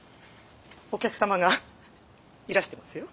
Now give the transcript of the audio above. お客様がいらしてますよ。